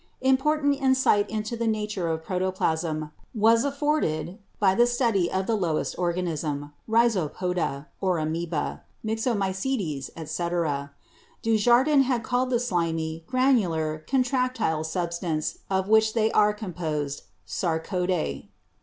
Important insight into the nature of protoplasm was afforded by the study of the lowest organism, Rhizopoda (Amoebae), Myxomycetes, etc. Dujardin had called the slimy, granular, contractile substance of which they are composed 'Sarcode.'